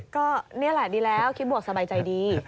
ก็นี่แหละดีแล้วคิดบวกสบายใจดี